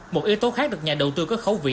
một yếu tố khác được nhà đầu tư có khấu vị